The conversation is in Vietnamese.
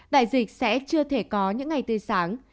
đại dịch sẽ chưa thể có những ngày tươi sáng